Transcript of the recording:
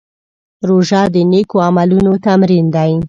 روژه د نېکو عملونو تمرین دی.